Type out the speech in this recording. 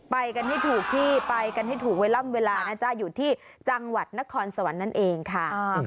ไปกันให้ถูกที่ไปกันให้ถูกเวลาล่ำเวลานะจ๊ะอยู่ที่จังหวัดนครสวรรค์นั่นเองค่ะ